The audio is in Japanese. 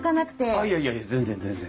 あっいやいや全然全然。